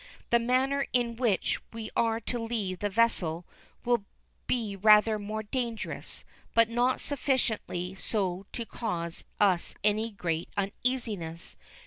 The manner in which we are to leave the vessel will be rather more dangerous, but not sufficiently so to cause us any great uneasiness.